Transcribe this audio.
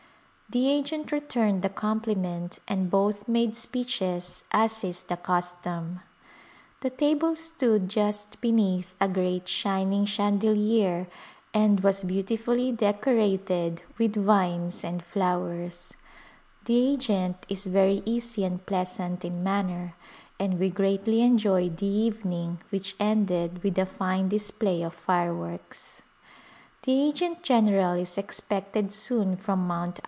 The agent returned the compliment and both made speeches as is the custom. The table stood just beneath a great shining chan delier and was beautifully decorated with vines and flowers. The agent is very easy and pleasant in man ner and we greatly enjoyed the evening which ended with a fine display of fireworks. Distifigiiished Visitors The agent general is expected soon from Mt.